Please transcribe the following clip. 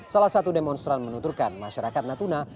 salah satu demonstran menunturkan masyarakat natuna